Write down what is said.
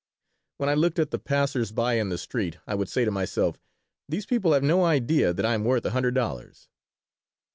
When I looked at the passers by in the street I would say to myself, "These people have no idea that I am worth a hundred dollars."